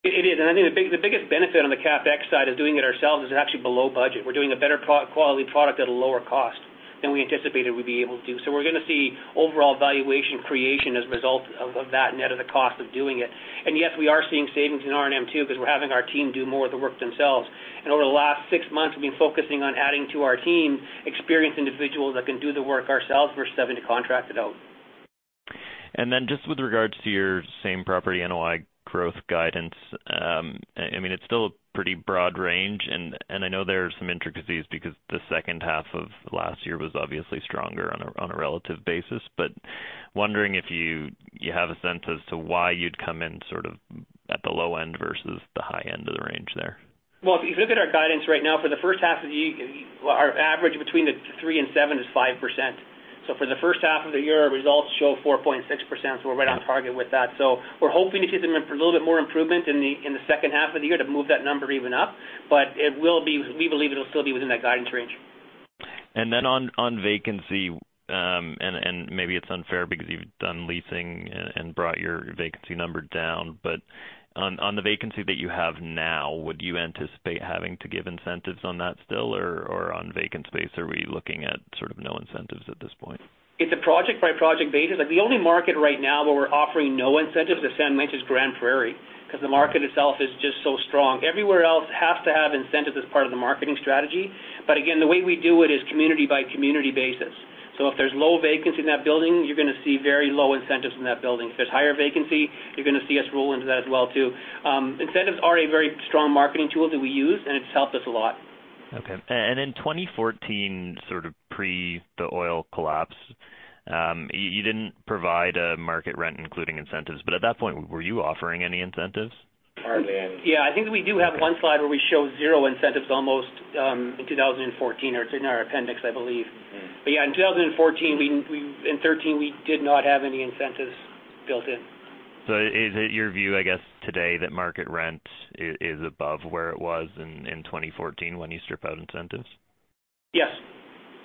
It is. I think the biggest benefit on the CapEx side of doing it ourselves is it's actually below budget. We're doing a better quality product at a lower cost than we anticipated we'd be able to do. We're going to see overall valuation creation as a result of that net of the cost of doing it. Yes, we are seeing savings in R&M, too, because we're having our team do more of the work themselves. Over the last six months, we've been focusing on adding to our team experienced individuals that can do the work ourselves versus having to contract it out. Just with regards to your same property NOI growth guidance, it's still a pretty broad range, and I know there are some intricacies because the second half of last year was obviously stronger on a relative basis. Wondering if you have a sense as to why you'd come in sort of at the low end versus the high end of the range there. If you look at our guidance right now for the first half of the year, our average between the three and seven is 5%. For the first half of the year, our results show 4.6%, we're right on target with that. We're hoping to see a little bit more improvement in the second half of the year to move that number even up. We believe it'll still be within that guidance range. On vacancy, and maybe it's unfair because you've done leasing and brought your vacancy number down, on the vacancy that you have now, would you anticipate having to give incentives on that still, or on vacant space, are we looking at sort of no incentives at this point? It's a project-by-project basis. The only market right now where we're offering no incentives is San Francisco and Grande Prairie because the market itself is just so strong. Everywhere else has to have incentives as part of the marketing strategy. Again, the way we do it is community-by-community basis. If there's low vacancy in that building, you're going to see very low incentives in that building. If there's higher vacancy, you're going to see us roll into that as well, too. Incentives are a very strong marketing tool that we use, and it's helped us a lot. Okay. In 2014, sort of pre the oil collapse, you didn't provide a market rent including incentives. At that point, were you offering any incentives? Hardly, I mean. Yeah, I think we do have one slide where we show zero incentives almost in 2014. It's in our appendix, I believe. Yeah, in 2014, In 2013, we did not have any incentives built in. Is it your view, I guess today that market rent is above where it was in 2014 when you strip out incentives? Yes.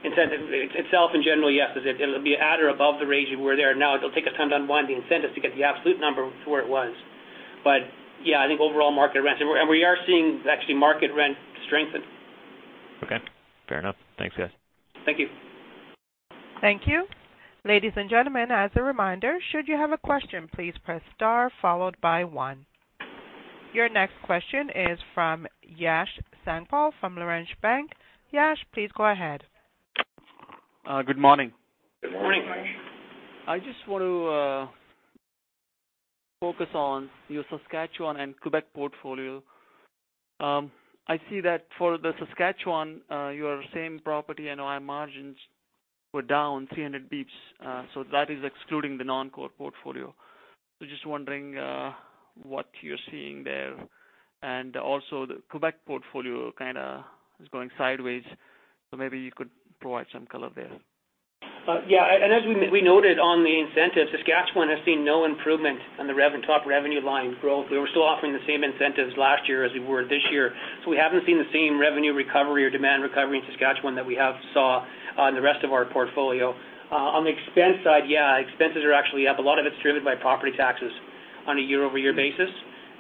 Incentive itself in general, yes. It'll be at or above the rate we're there now. It'll take us time to unwind the incentives to get the absolute number to where it was. Yeah, I think overall market rents. We are seeing actually market rent strengthen. Okay, fair enough. Thanks, guys. Thank you. Thank you. Ladies and gentlemen, as a reminder, should you have a question, please press star followed by one. Your next question is from Yash Sankpal from Laurentian Bank. Yash, please go ahead. Good morning. Good morning. Good morning. I just want to focus on your Saskatchewan and Quebec portfolio. I see that for the Saskatchewan, your same property NOI margins were down 300 basis points. That is excluding the non-core portfolio. Just wondering what you're seeing there. Also, the Quebec portfolio kind of is going sideways, so maybe you could provide some color there. Yeah. As we noted on the incentives, Saskatchewan has seen no improvement on the top revenue line growth. We were still offering the same incentives last year as we were this year. We haven't seen the same revenue recovery or demand recovery in Saskatchewan that we have saw on the rest of our portfolio. On the expense side, expenses are actually up. A lot of it's driven by property taxes on a year-over-year basis.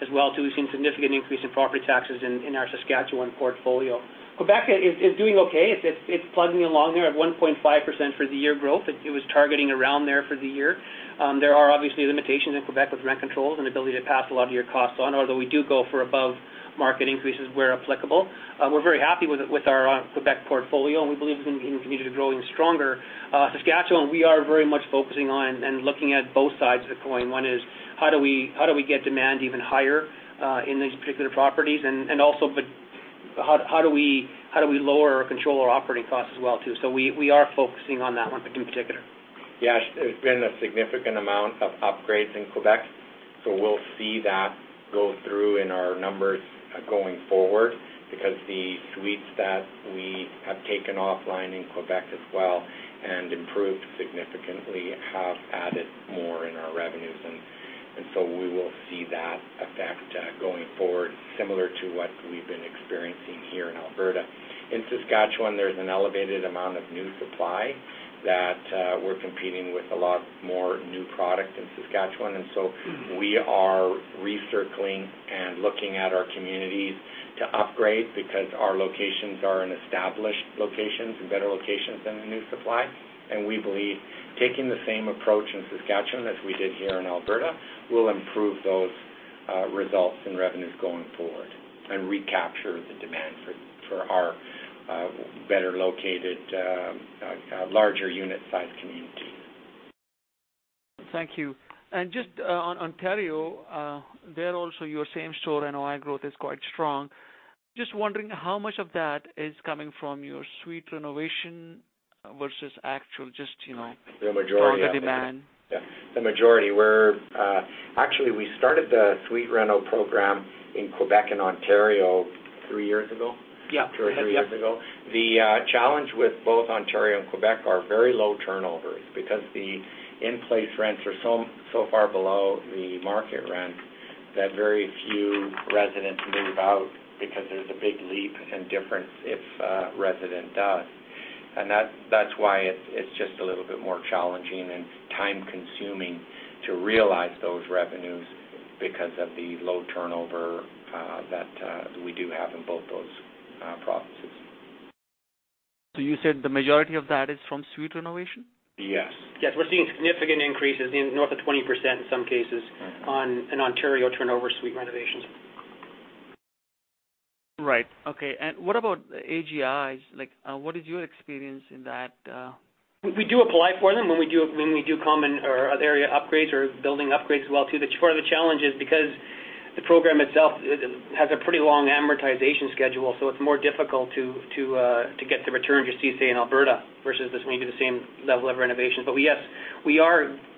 As well too, we've seen significant increase in property taxes in our Saskatchewan portfolio. Quebec is doing okay. It's plugging along there at 1.5% for the year growth. It was targeting around there for the year. There are obviously limitations in Quebec with rent controls and ability to pass a lot of our costs on. Although we do go for above-market increases where applicable. We're very happy with our Quebec portfolio. We believe it can continue to growing stronger. Saskatchewan, we are very much focusing on and looking at both sides of the coin. One is how do we get demand even higher in these particular properties, and also how do we lower or control our operating costs as well too? We are focusing on that one in particular. Yash, there's been a significant amount of upgrades in Quebec. We'll see that go through in our numbers going forward because the suites that we have taken offline in Quebec as well and improved significantly have added more in our revenues. We will see that effect going forward, similar to what we've been experiencing here in Alberta. In Saskatchewan, there's an elevated amount of new supply that we're competing with a lot more new product in Saskatchewan. We are recircling and looking at our communities to upgrade because our locations are in established locations and better locations than the new supply. We believe taking the same approach in Saskatchewan as we did here in Alberta will improve those results in revenues going forward and recapture the demand for our better located, larger unit size communities. Thank you. Just on Ontario, there also your same-store NOI growth is quite strong. Just wondering how much of that is coming from your suite renovation versus actual just- The majority stronger demand. Yeah, the majority. Actually, we started the suite reno program in Quebec and Ontario three years ago. Yeah. Two or three years ago. The challenge with both Ontario and Quebec are very low turnovers because the in-place rents are so far below the market rent that very few residents move out because there's a big leap and difference if a resident does. That's why it's just a little bit more challenging and time-consuming to realize those revenues because of the low turnover that we do have in both those provinces. You said the majority of that is from suite renovation? Yes. Yes. We're seeing significant increases in north of 20% in some cases on an Ontario turnover suite renovations. Right. Okay. What about AGIs? What is your experience in that? We do apply for them when we do common or area upgrades or building upgrades as well too. Part of the challenge is because the program itself has a pretty long amortization schedule, so it's more difficult to get the return you see, say, in Alberta versus this maybe the same level of renovations. Yes,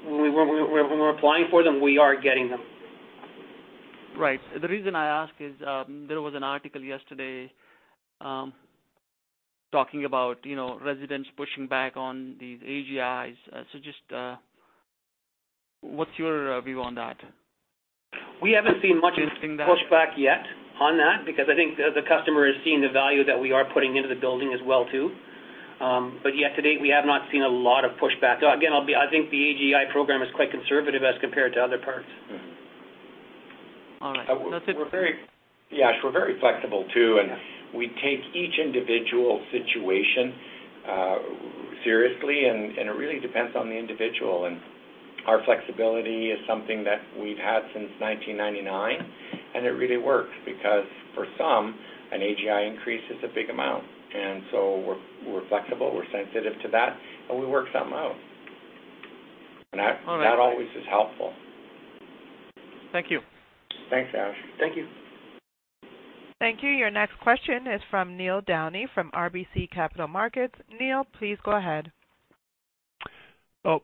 when we're applying for them, we are getting them. Right. The reason I ask is, there was an article yesterday talking about residents pushing back on these AGIs. Just, what's your view on that? We haven't seen much pushback yet on that because I think the customer is seeing the value that we are putting into the building as well too. Yeah, to date, we have not seen a lot of pushback. Again, I think the AGI program is quite conservative as compared to other parts. All right. That's it. Yash, we're very flexible too, and we take each individual situation seriously, and it really depends on the individual. Our flexibility is something that we've had since 1999, and it really works because for some, an AGI increase is a big amount. We're flexible, we're sensitive to that, and we work something out. All right. That always is helpful. Thank you. Thanks, Yash. Thank you. Thank you. Your next question is from Neil Downey from RBC Capital Markets. Neil, please go ahead. Oh,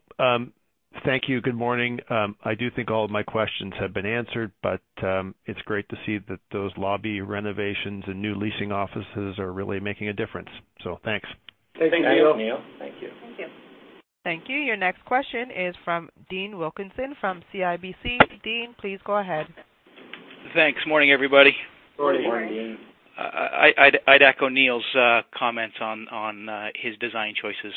thank you. Good morning. I do think all of my questions have been answered, but it's great to see that those lobby renovations and new leasing offices are really making a difference. Thanks. Thanks, Neil. Thanks, Neil. Thank you. Thank you. Thank you. Your next question is from Dean Wilkinson from CIBC. Dean, please go ahead. Thanks. Morning, everybody. Morning. Morning. Morning. I'd echo Neil's comments on his design choices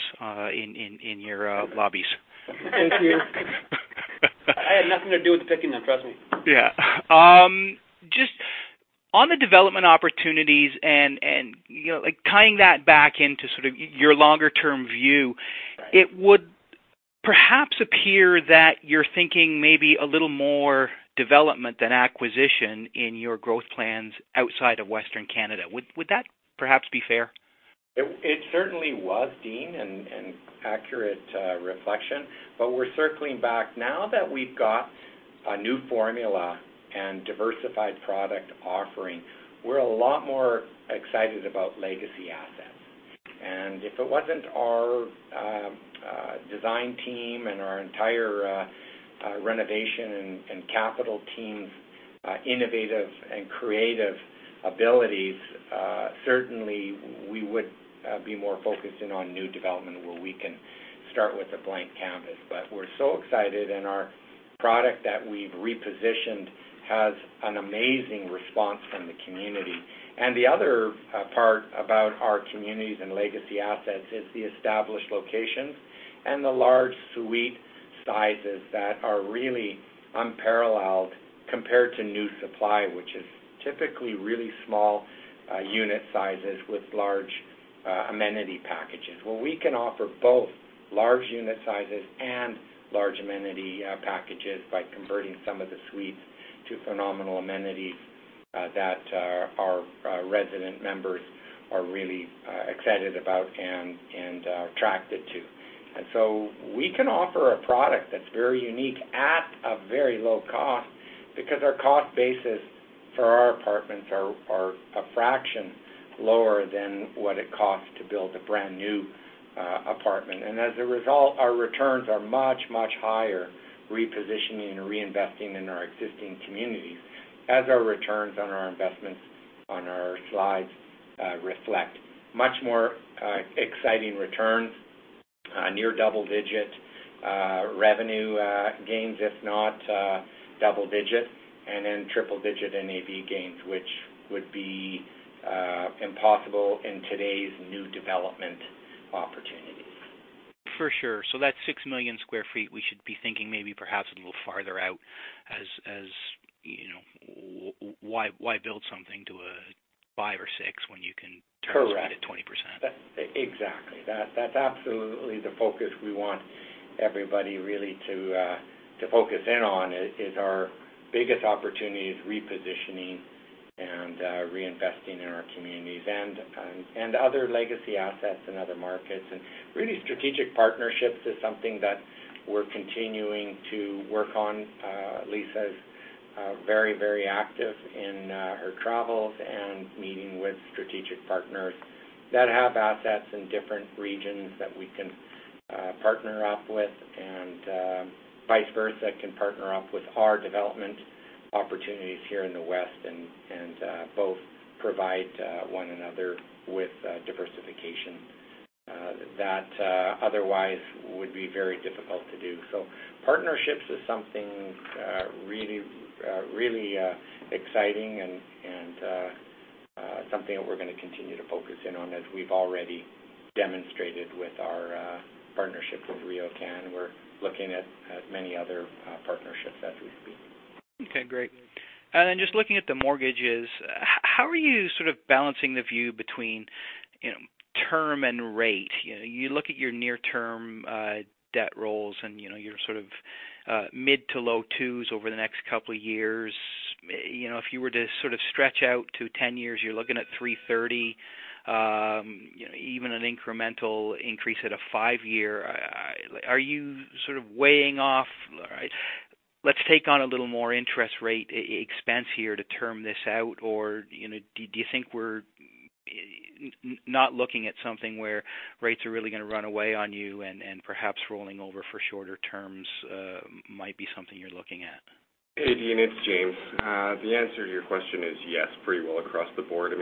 in your lobbies. Thank you. I had nothing to do with picking them, trust me. Yeah. Just on the development opportunities and tying that back into sort of your longer-term view. Right. It would perhaps appear that you're thinking maybe a little more development than acquisition in your growth plans outside of Western Canada. Would that perhaps be fair? It certainly was, Dean, an accurate reflection. We are circling back now that we have got a new formula and diversified product offering. We are a lot more excited about legacy assets. If it was not our design team and our entire renovation and capital team's innovative and creative abilities, certainly we would be more focused in on new development where we can start with a blank canvas. We are so excited, and our product that we have repositioned has an amazing response from the community. The other part about our communities and legacy assets is the established locations and the large suite sizes that are really unparalleled compared to new supply, which is typically really small unit sizes with large amenity packages, where we can offer both large unit sizes and large amenity packages by converting some of the suites to phenomenal amenities that our resident members are really excited about and are attracted to. So we can offer a product that is very unique at a very low cost because our cost basis for our apartments are a fraction lower than what it costs to build a brand-new apartment. As a result, our returns are much, much higher, repositioning and reinvesting in our existing communities as our returns on our investments on our slides reflect much more exciting returns, near double-digit revenue gains, if not double digits, and then triple-digit NAV gains, which would be impossible in today's new development opportunities. For sure. That 6 million sq ft, we should be thinking maybe perhaps a little farther out, as why build something to a 5 or 6 when you can- Correct turn a suite at 20%? Exactly. That's absolutely the focus we want everybody really to focus in on is our biggest opportunity is repositioning and reinvesting in our communities and other legacy assets in other markets. Really strategic partnerships is something that we're continuing to work on. Lisa is very, very active in her travels and meeting with strategic partners that have assets in different regions that we can partner up with and vice versa, can partner up with our development opportunities here in the West and both provide one another with diversification that otherwise would be very difficult to do. Partnerships is something really exciting and something that we're going to continue to focus in on, as we've already demonstrated with our partnership with RioCan. We're looking at many other partnerships as we speak. Okay, great. Then just looking at the mortgages, how are you sort of balancing the view between term and rate? You look at your near-term debt rolls and your sort of mid to low twos over the next couple of years. If you were to sort of stretch out to 10 years, you're looking at 330, even an incremental increase at a five-year. Are you sort of weighing off, let's take on a little more interest rate expense here to term this out, or do you think we're not looking at something where rates are really going to run away on you and perhaps rolling over for shorter terms might be something you're looking at? Hey, Dean, it's James. The answer to your question is yes, pretty well across the board.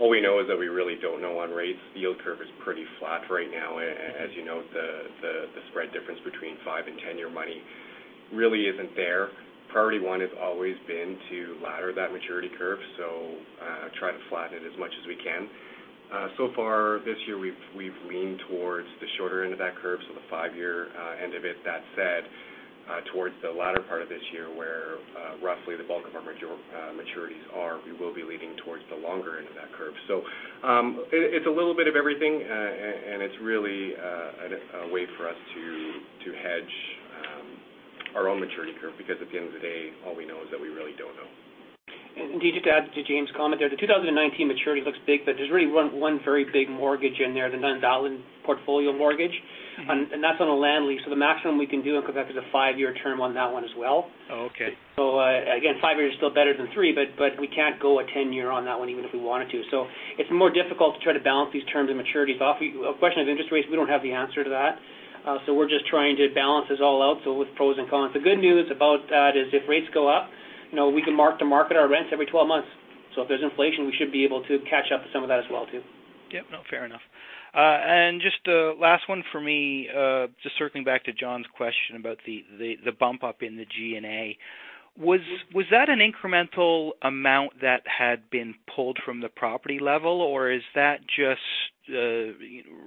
All we know is that we really don't know on rates. The yield curve is pretty flat right now. As you note, the spread difference between five- and 10-year money really isn't there. Priority one has always been to ladder that maturity curve, try to flatten it as much as we can. Far this year, we've leaned towards the shorter end of that curve, the five-year end of it. That said, towards the latter part of this year, where roughly the bulk of our maturities are, we will be leaning towards the longer end of that curve. It's a little bit of everything, and it's really a way for us to hedge our own maturity curve, because at the end of the day, all we know is that we really don't know. Dean, just to add to James' comment there, the 2019 maturity looks big, but there's really one very big mortgage in there, the Nuns' Island portfolio mortgage. That's on a land lease, the maximum we can do on Quebec is a five-year term on that one as well. Okay. Again, five years is still better than three, but we can't go a 10-year on that one even if we wanted to. It's more difficult to try to balance these terms and maturities off. A question of interest rates, we don't have the answer to that. We're just trying to balance this all out. With pros and cons. The good news about that is if rates go up, we can mark to market our rents every 12 months. If there's inflation, we should be able to catch up with some of that as well, too. Yep. No, fair enough. Just a last one for me, just circling back to Jon's question about the bump up in the G&A. Was that an incremental amount that had been pulled from the property level, or is that just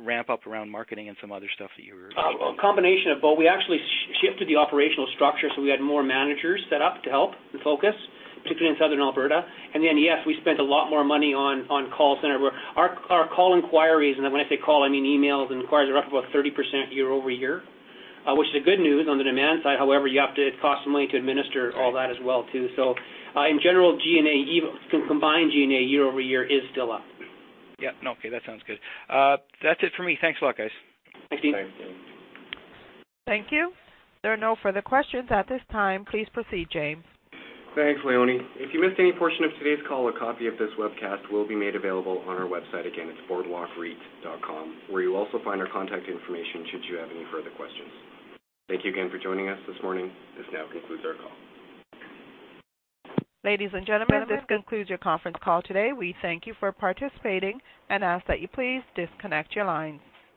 ramp up around marketing and some other stuff that you were- A combination of both. We actually shifted the operational structure, we had more managers set up to help the focus, particularly in Southern Alberta. Yes, we spent a lot more money on call center where our call inquiries, and when I say call, I mean emails and inquiries, are up about 30% year-over-year, which is good news on the demand side. However, it costs some money to administer all that as well, too. In general, combined G&A year-over-year is still up. Yep. No, okay. That sounds good. That's it for me. Thanks a lot, guys. Thanks, Dean. Thanks, Dean. Thank you. There are no further questions at this time. Please proceed, James. Thanks, Leonie. If you missed any portion of today's call, a copy of this webcast will be made available on our website. Again, it's boardwalkreit.com, where you'll also find our contact information should you have any further questions. Thank you again for joining us this morning. This now concludes our call. Gentlemen, this concludes your conference call today. We thank you for participating and ask that you please disconnect your lines.